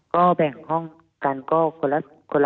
ก็แบ่งห้องกันก็คนละสองนะครับ